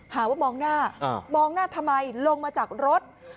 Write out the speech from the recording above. หาว่ามองหน้ามองหน้าทำไมลงมาจากรถ